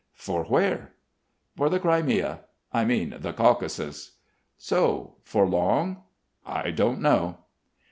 "For where?" "For the Crimea ... I mean, the Caucasus." "So. For long?" "I don't know."